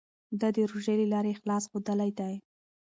ده د روژې له لارې اخلاص ښودلی دی.